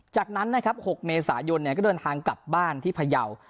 จากนั้นนะครับ๖เมษายนก็เดินทางกลับบ้านที่พยาว